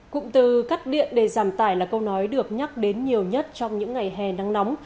cụm từ cắt điện để giảm tải là câu nói được nhắc đến nhiều nhất trong những ngày hè nắng nóng